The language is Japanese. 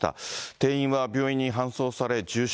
店員は病院に搬送され重傷。